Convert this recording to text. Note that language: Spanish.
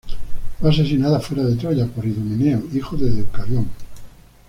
Fue asesinada fuera de Troya, por Idomeneo, hijo de Deucalión.